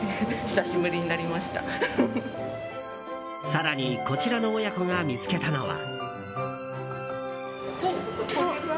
更に、こちらの親子が見つけたのは。